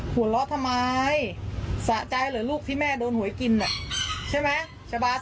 สวัสดีครับ